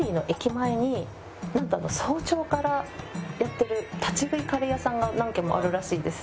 なんと早朝からやってる立ち食いカレー屋さんが何軒もあるらしいんです。